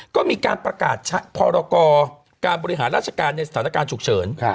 ก็มีการประกาศพรกรการบริหารราชการในสถานการณ์ฉุกเฉิน